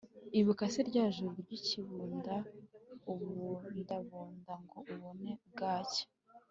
ibuka se rya joro ry’ikibunda ubundabunda ngo ubone bwacya